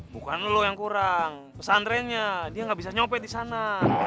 bukan lo yang kurang pesantrennya dia nggak bisa nyopet di sana